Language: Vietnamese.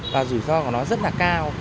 và rủi ro của nó rất là cao